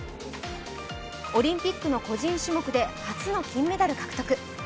オリンピックの個人種目で初の金メダル獲得。